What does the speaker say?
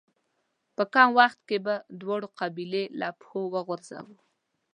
په کم وخت کې به دواړه قبيلې له پښو وغورځوو.